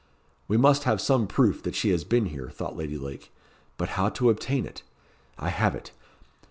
"We must have some proof that she has been here," thought Lady Lake. But how to obtain it? I have it.